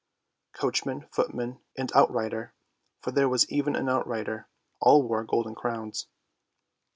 Coachman, footman, and outrider, for there was even an outrider, all wore golden crowns.